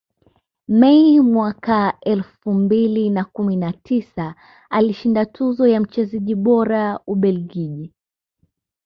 Mei mwaka elfu mbili na kumi na tisa aliishinda tuzo ya mchezaji bora Ubelgiji